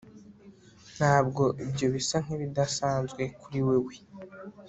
Ntabwo ibyo bisa nkibidasanzwe kuri wewe